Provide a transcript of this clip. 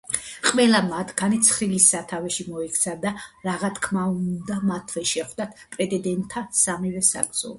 ყველა მათგანი ცხრილის სათავეში მოექცა და რაღა თქმა უნდა მათვე შეხვდათ პრეტენდენტთა სამივე საგზური.